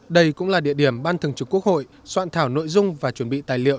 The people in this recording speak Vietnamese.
đây cũng là địa điểm ban thường trực quốc hội soạn thảo nội dung và chuẩn bị tài liệu